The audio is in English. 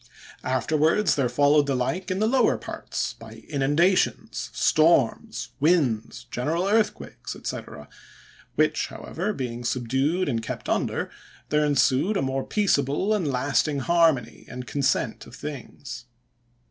Afterwards there followed the like in the lower parts, by inundations, storms, winds, general earthquakes, &c., which, however, being subdued and kept under, there ensued a more peaceable and lasting harmony, and consent of things.